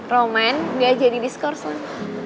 roman dia jadi diskurs lah